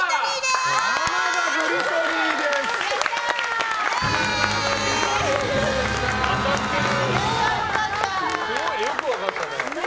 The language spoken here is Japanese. すごい、よく分かったね。